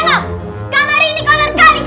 kamar ini kotor sekali kan